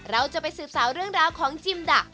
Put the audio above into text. เราจะไปสืบสาวเรื่องราวของจิมดัก